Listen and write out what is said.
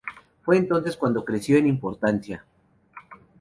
Fue entonces cuando creció en importancia.